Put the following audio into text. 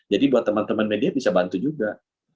jadi buat teman teman media bisa bantu juga